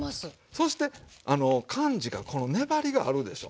そして感じがこの粘りがあるでしょ。